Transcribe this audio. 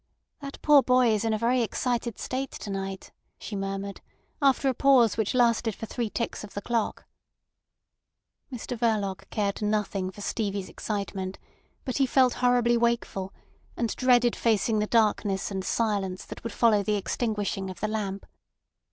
"That poor boy is in a very excited state to night," she murmured, after a pause which lasted for three ticks of the clock. Mr Verloc cared nothing for Stevie's excitement, but he felt horribly wakeful, and dreaded facing the darkness and silence that would follow the extinguishing of the lamp.